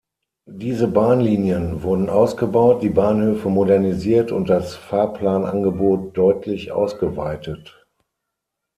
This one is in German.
Diese Bahnlinien wurden ausgebaut, die Bahnhöfe modernisiert und das Fahrplanangebot deutlich ausgeweitet.